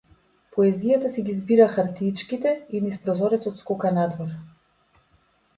Поезијата си ги збира хартиичките и низ прозорецот скока надвор.